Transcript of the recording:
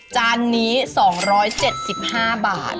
จานนี้๒๗๕บาท